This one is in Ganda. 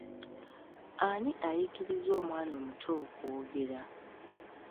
Ani ayigiriza omwana omuto okwogera?